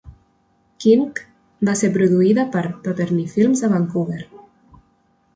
"KinK" va ser produïda per Paperny Films a Vancouver.